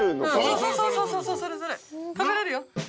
そうそうそうそれそれ食べれるよ。